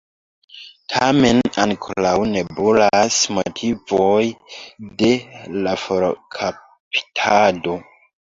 Tamen ankoraŭ nebulas motivoj de la forkaptado.